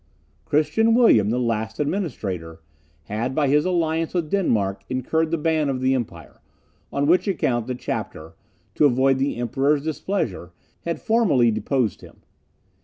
Christian William, the last administrator, had, by his alliance with Denmark, incurred the ban of the empire, on which account the chapter, to avoid the Emperor's displeasure, had formally deposed him.